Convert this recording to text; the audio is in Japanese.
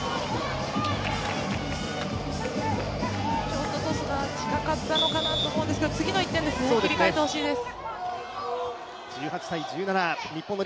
ちょっとトスが近かったのかなと思うんですが次の１点ですね、切り替えてほしいです。